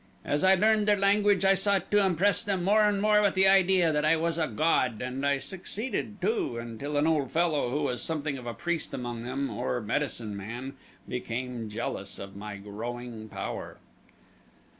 As I learned their language I sought to impress them more and more with the idea that I was a god, and I succeeded, too, until an old fellow who was something of a priest among them, or medicine man, became jealous of my growing power.